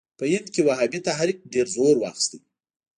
په هند کې وهابي تحریک ډېر زور واخیست.